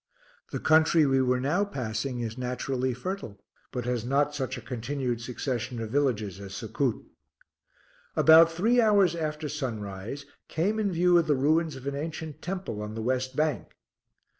The country we were now passing is naturally fertile, but has not such a continued succession of villages as Succoot. About three hours after sunrise came in view of the ruins of an ancient temple on the west bank.